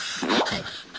はい。